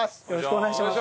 お願いします。